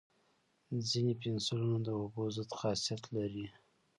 ځینې پنسلونه د اوبو ضد خاصیت لري.